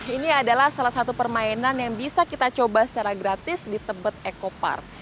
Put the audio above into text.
ini adalah salah satu permainan yang bisa kita coba secara gratis di tebet eco park